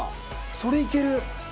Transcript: それいける？